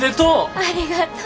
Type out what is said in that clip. ありがとう！